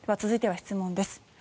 続いては質問です。